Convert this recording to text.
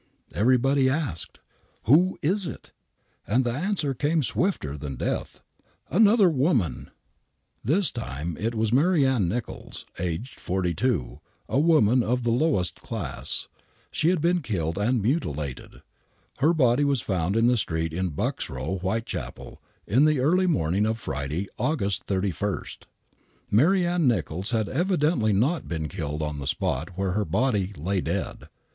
Everybody asked: "Whois'it?" And the answer came swifter than death: " Another woman !".,« *i«<i»aw»»> ' ^^^Ti ^' 36 THE WHITECHAPEIv MURDERS This time it was Mary Ann NichoUs, aged forty two, a woman of the lowest class. She had heen killed and mutilated. Her body was found in the street in Buck's Kow, Whitechapel, in the early morning of Friday, August 31. Mary Ann NichoUs had evidently not been killed on the spot where her body lay dead.